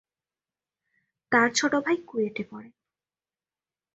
তার ছোট ভাই কুয়েটে পড়ে।